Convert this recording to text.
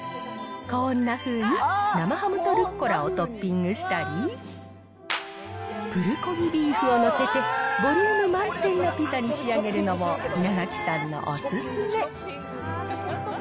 こーんなふうに、生ハムとルッコラをトッピングしたり、プルコギビーフを載せて、ボリューム満点なピザに仕上げるのも稲垣さんのお勧め。